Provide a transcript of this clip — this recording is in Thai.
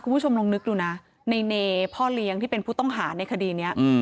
คุณผู้ชมลองนึกดูนะในเนพ่อเลี้ยงที่เป็นผู้ต้องหาในคดีนี้